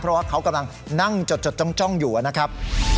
เพราะว่าเขากำลังนั่งจดจ้องอยู่นะครับ